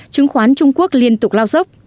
chứng khoán trung quốc liên tục lao dốc